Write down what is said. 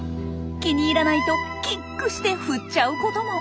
気に入らないとキックして振っちゃうことも！